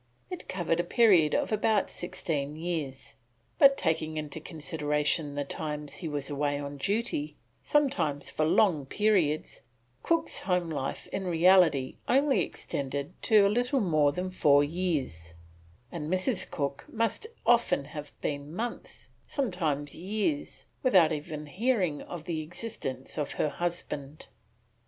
It covered a period of about sixteen years; but taking into consideration the times he was away on duty, sometimes for long periods, Cook's home life in reality only extended to a little more than four years, and Mrs. Cook must often have been months, sometimes years, without even hearing of the existence of her husband.